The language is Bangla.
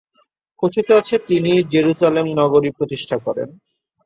কথিত আছে তিনিই জেরুসালেম নগরী প্রতিষ্ঠা করেন।